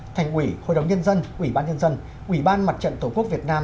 thành quỷ hội đồng nhân dân quỷ ban nhân dân quỷ ban mặt trận tổ quốc việt nam